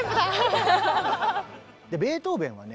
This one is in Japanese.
ベートーベンはね